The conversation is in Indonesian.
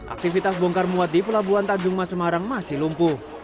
aktivitas bongkar muat di pelabuhan tanjung mas semarang masih lumpuh